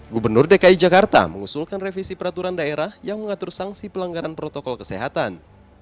gubernur dki jakarta mengusulkan revisi peraturan daerah yang mengatur sanksi pelanggaran protokol kesehatan